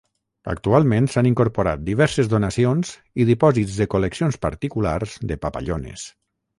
Actualment s'han incorporat diverses donacions i dipòsits de col·leccions particulars de papallones.